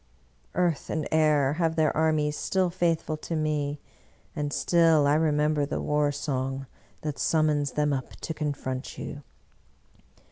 Earth and air have their armies still faithful to me, and still I remember the war song that summons them up to confront you!